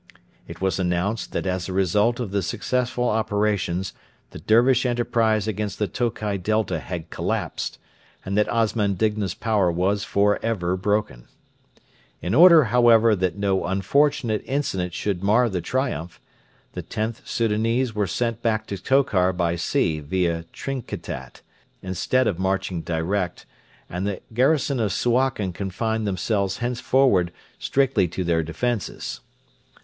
It was announced that as a result of the successful operations the Dervish enterprise against the Tokai Delta had collapsed, and that Osman Digna's power was for ever broken. In order, however, that no unfortunate incident should mar the triumph, the Xth Soudanese were sent back to Tokar by sea via Trinkitat, instead of marching direct and the garrison of Suakin confined themselves henceforward strictly to their defences.